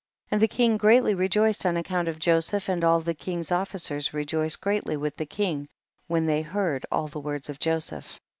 18. And the king greatly rejoiced on account of Joseph, and all the king's officers rejoiced greatly with the king when they heard all the words of Joseph.